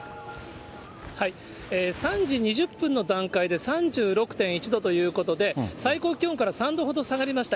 ３時２０分の段階で、３６．１度ということで、最高気温から３度ほど下がりました。